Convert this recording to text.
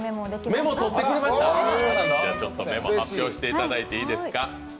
メモ、発表していただいていいですか？